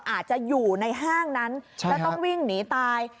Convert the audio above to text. อาจจะอยู่ในห้างนั้นแล้วต้องวิ่งหนีตาย